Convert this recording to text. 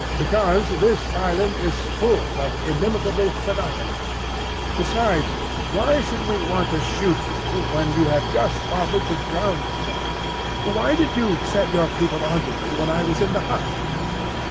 Because this island is full of inimical phenomena. Besides, why should we want to shoot you when you have just offered to drown yourself?" "Why did you set—your people onto me when I was in the hut?"